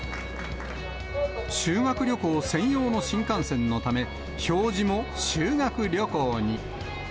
修学旅行専用の新幹線のため、表示も修学旅行に。